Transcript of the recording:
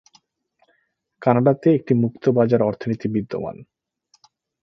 কানাডাতে একটি মুক্ত বাজার অর্থনীতি বিদ্যমান।